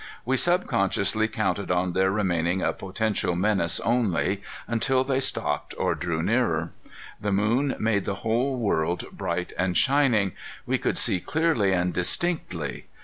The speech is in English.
We subconsciously counted on their remaining a potential menace only, until they stopped or drew nearer. The moon made the whole world bright and shining. We could see clearly and distinctly.